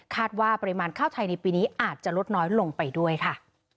ว่าปริมาณข้าวไทยในปีนี้อาจจะลดน้อยลงไปด้วยค่ะ